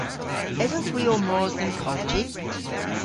Esowgh hwi ow mos dhe'n kolji?